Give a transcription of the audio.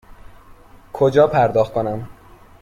کجا پرداخت کنم؟